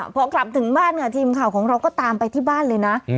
พอกลับถึงบ้านค่ะทีมข่าวของเราก็ตามไปที่บ้านเลยนะ